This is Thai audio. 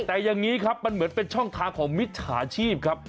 แต่อย่างนี้ครับมันเหมือนเป็นช่องทางของมิจฉาชีพครับ